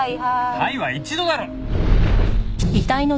「はい」は一度だろ！